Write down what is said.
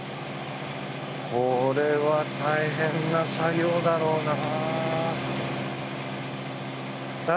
これは大変な作業だな。